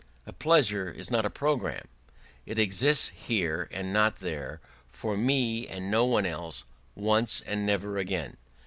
A pleasure is not a programme: it exists here and not there, for me and for no one else, once and never again.